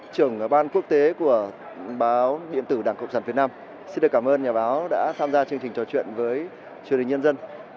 trưởng ban quốc tế của báo điện tử đảng cộng sản việt nam xin được cảm ơn nhà báo đã tham gia chương trình trò chuyện với truyền hình nhân dân